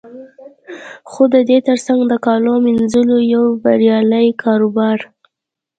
خو د دې تر څنګ د کالو مینځلو یو بریالی کاروبار